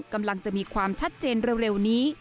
กำลังจะมีความชัดเจนเร็วนี้